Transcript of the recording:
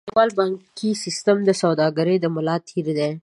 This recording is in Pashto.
نړیوال بانکي سیستم د سوداګرۍ د ملا تیر دی.